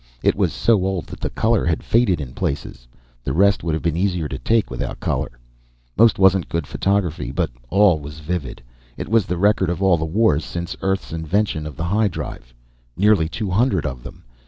It was so old that the color had faded in places. The rest would have been easier to take without color. Most wasn't good photography, but all was vivid. It was the record of all the wars since Earth's invention of the high drive nearly two hundred of them.